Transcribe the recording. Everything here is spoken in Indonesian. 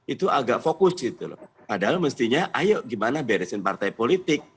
itu agak fokus gitu loh padahal mestinya ayo gimana beresin partai politik